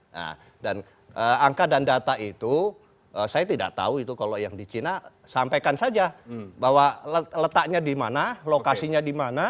nah dan angka dan data itu saya tidak tahu itu kalau yang di cina sampaikan saja bahwa letaknya dimana lokasinya dimana